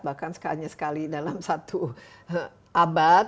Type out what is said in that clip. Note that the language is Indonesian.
bahkan hanya sekali dalam satu abad